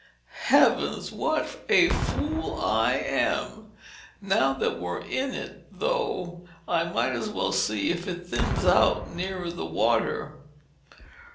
Heavens, what a fool I am! Now that we're in it, though, I might as well see if it thins out nearer the water."